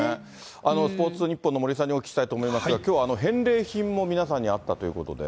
スポーツニッポンの森さんにお聞きしたいと思いますが、きょうは返礼品も皆さんにあったということで。